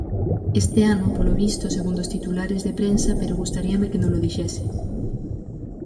Este ano, polo visto, segundo os titulares de prensa, pero gustaríame que nolo dixese.